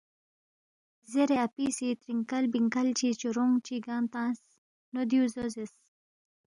زیرے اپی سی ترِنکل بِنکل چی چورونگ چی گنگ تنگس، نو دیُو زو زیرس